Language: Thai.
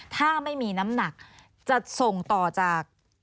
ถ้าไม่มีน้ำหนักจะส่งต่อจาก